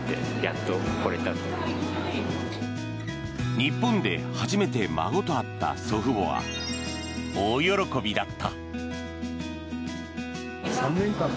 日本で初めて孫と会った祖父母は大喜びだった。